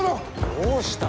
どうした。